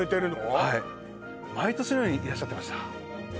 はい毎年のようにいらっしゃってました